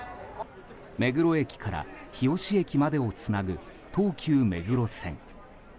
目黒駅から日吉駅までをつなぐ東急目黒線。